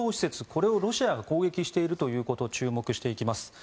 これをロシアが攻撃しているということに注目していきます。